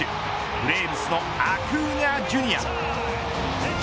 ブレーブスのアクーニャ・ジュニア。